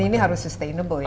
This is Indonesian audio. dan ini harus sustainable ya